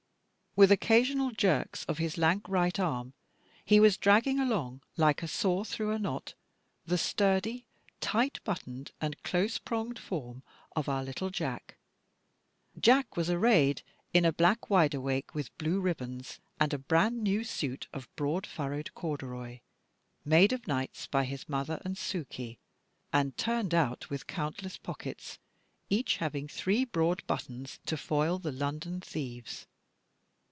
With occasional jerks of his lank right arm, he was dragging along, like a saw through a knot, the sturdy, tight buttoned, and close pronged form of our little Jack. Jack was arrayed in a black wide awake, with blue ribbons, and a bran new suit of broad furrowed corduroy, made of nights by his mother and Suke, and turned out with countless pockets, each having three broad buttons, to foil the London thieves.